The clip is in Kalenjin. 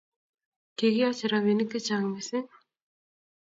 Kikiyoche robinik che chang' mising